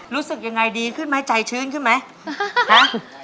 รู้สึกยังไงดีขึ้นไหมใจชื้นขึ้นไหมนะ